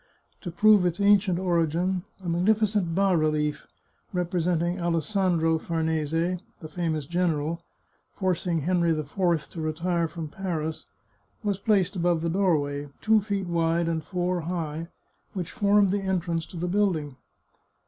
To prove its ancient origin a mag nificent bas relief, representing Alessandro Farnese, the fa mous general, forcing Henry IV to retire from Paris, was placed above the doorway, two feet wide and four high, which formed the entrance to the building.